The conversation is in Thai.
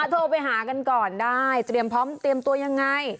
โทรไปหากันก่อนได้เตรียมพร้อมเตรียมตัวยังไง